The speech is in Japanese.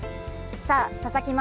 佐々木舞